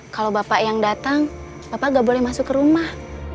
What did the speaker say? kalau bapak yang datang bapak nggak boleh masuk ke rumah